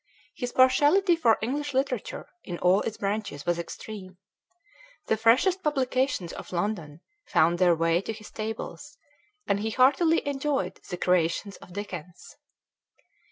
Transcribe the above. His partiality for English literature in all its branches was extreme. The freshest publications of London found their way to his tables, and he heartily enjoyed the creations of Dickens.